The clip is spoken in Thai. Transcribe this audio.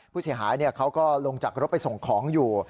ผู้เสียหายเขาก็ลงจากรถไปส่งของอยู่